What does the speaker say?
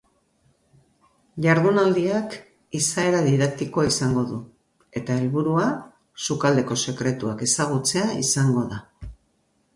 Jardunaldiak izaera didaktikoa izango du eta helburua sukaldeko sekretuak ezagutzea izango da.